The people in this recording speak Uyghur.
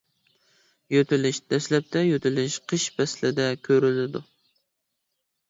يۆتىلىش دەسلەپتە يۆتىلىش قىش پەسلىدە كۆرۈلىدۇ.